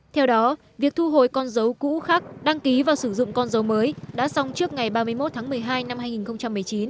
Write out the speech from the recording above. theo đó việc thu hồi con dấu cũ khắc đăng ký và sử dụng con dấu mới đã xong trước ngày ba mươi một tháng một mươi hai năm hai nghìn một mươi chín